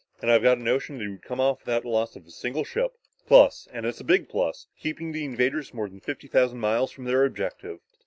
And I've got a notion that you'd come off without the loss of a single ship, plus, and it is a big plus, keeping the invaders more than fifty thousand miles away from their objective!"